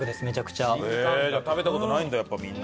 じゃあ食べた事ないんだやっぱみんな。